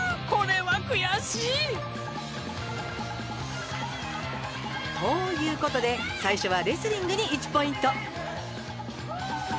これは悔しい！ということで最初はレスリングに１ポイント